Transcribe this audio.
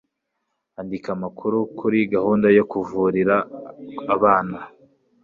andika amakuru kuri gahunda yo kuvurira abana